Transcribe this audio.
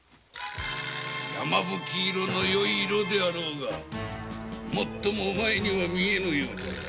やまぶき色のよい色であろうがもっともお前には見えぬようだ。